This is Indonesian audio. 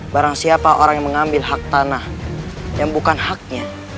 barang siapa orang yang mengambil hak tanah yang bukan haknya